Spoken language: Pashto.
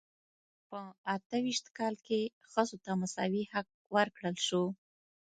په اته ویشت کال کې ښځو ته مساوي حق ورکړل شو.